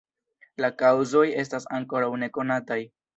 La kaŭzoj estas ankoraŭ nekonataj.